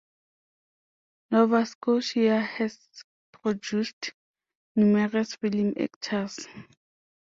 Nova Scotia has produced numerous film actors.